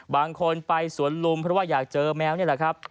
บางคนไปสวนลุมเพราะว่าอยากเจอแมวนี่แหละครับ